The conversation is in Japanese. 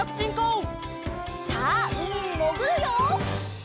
さあうみにもぐるよ！